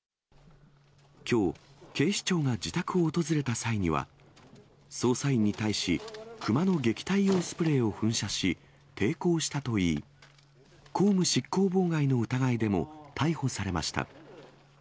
きょう、警視庁が自宅を訪れた際には、捜査員に対し、熊の撃退用スプレーを噴射し、抵抗したといい、公務執行妨害の疑いでも逮捕されました。